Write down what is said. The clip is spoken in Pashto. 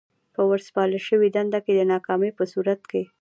په ورسپارل شوې دنده کې د ناکامۍ په صورت کې.